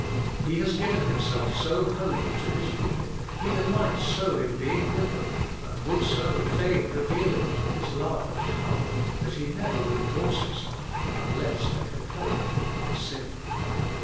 He has given Himself so wholly to His people, He delights so in being with them, and would so fain RESTRAINING PRAYER: IS IT SIN? 71 reveal in them His love and power, that He never withdraws Himself unless they compel Him by sin.